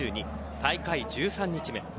大会１３日目。